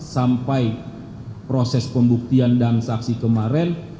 sampai proses pembuktian dan saksi kemarin